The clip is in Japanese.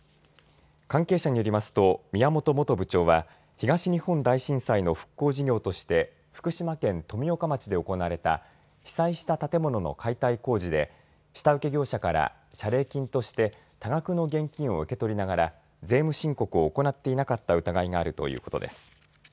関係者によりますと宮本元部長は東日本大震災の復興事業として福島県富岡町で行われた被災した建物の解体工事で下請け業者から謝礼金として多額の現金を受け取りながら税務申告を行っていなかった疑いがあるということです。